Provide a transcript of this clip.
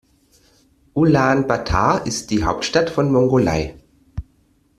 Ulaanbaatar ist die Hauptstadt von Mongolei.